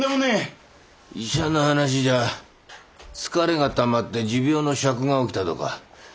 医者の話じゃ疲れがたまって持病の癪が起きたとか。